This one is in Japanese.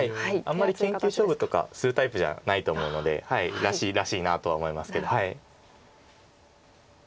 あんまり研究勝負とかするタイプじゃないと思うのでらしいなとは思いますけど。